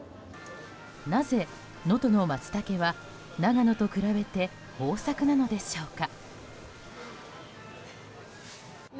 なぜ能登のマツタケは長野と比べて豊作なのでしょうか。